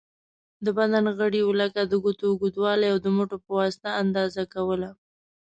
د بدن غړیو لکه د ګوتو اوږوالی، او د مټو په واسطه اندازه کوله.